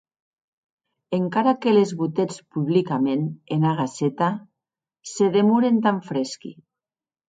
Encara que les botetz publicament ena Gaceta, se demoren tan fresqui.